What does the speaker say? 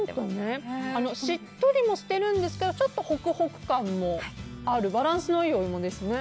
しっとりもしているんですけどちょっとホクホク感もあるバランスの良いお芋ですね。